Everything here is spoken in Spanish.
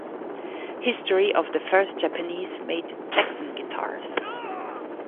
History of the first Japanese made Jackson guitars